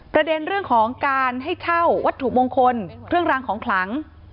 ประเด็นเรื่องของการให้เช่าวัตถุมงคลเครื่องรางของขลัง